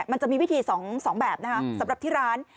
มันจะมีวิธี๒แบบนะคะสำหรับที่ร้าน